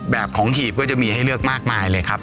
แบบของหีบก็จะมีให้เลือกมากมายเลยครับ